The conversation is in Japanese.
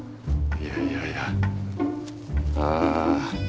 いやいやいやあ。